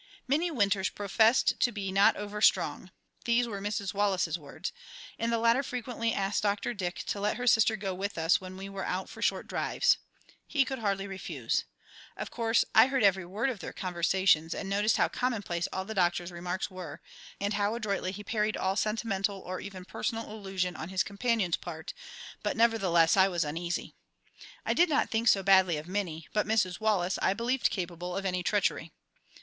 Minnie Winters professed to be "not over strong" these were Mrs. Wallace's words and the latter frequently asked Dr. Dick to let her sister go with us when we were out for short drives. He could hardly refuse. Of course, I heard every word of their conversations and noticed how commonplace all the doctor's remarks were, and how adroitly he parried all sentimental or even personal allusion on his companion's part; but nevertheless I was uneasy. I did not think so badly of Minnie, but Mrs. Wallace I believed capable of any treachery.